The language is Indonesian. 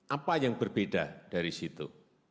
apa yang berbeda dari situ